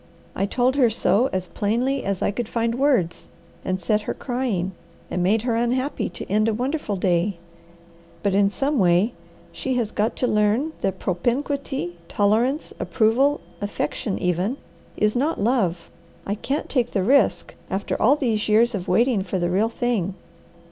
I told her so as plainly as I could find words, and set her crying, and made her unhappy to end a wonderful day. But in some way she has got to learn that propinquity, tolerance, approval, affection, even is not love. I can't take the risk, after all these years of waiting for the real thing.